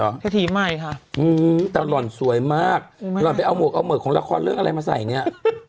เศรษฐีใหม่ค่ะอืมแต่หล่อนสวยมากหล่อนไปเอาหมวกเอาหวกของละครเรื่องอะไรมาใส่เนี่ย